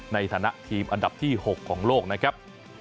ในฐานะทีมอันดับที่๖ของโลกนะครับ